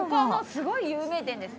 すごい有名店です。